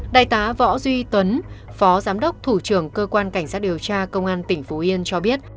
đại tá võ duy tuấn phó giám đốc thủ trưởng cơ quan cảnh sát điều tra công an tỉnh phú yên cho biết